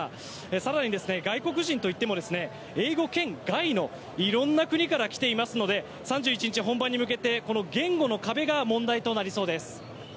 更に、外国人といっても英語圏外の色んな国から来ていますので３１日の本番に向けて言語の壁が問題となりそうです。